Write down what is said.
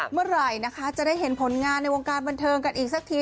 เมื่อไหร่นะคะจะได้เห็นผลงานในวงการบันเทิงกันอีกสักที